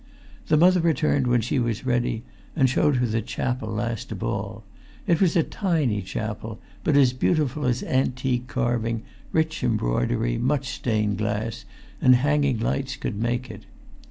The Mother returned when she was ready, and showed her the chapel last of all. It was a tiny chapel, but as beautiful as antique carving, rich embroidery, much stained glass, and hanging lights could make it.